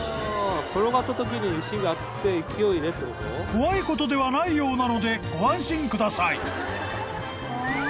［怖いことではないようなのでご安心ください］